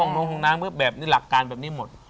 ลงห้องน้ำแบบนี้หลักการแบบนี้หมด